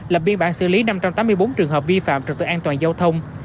lập biên bản xử lý năm trăm tám mươi bốn trường hợp vi phạm trật tự an toàn giao thông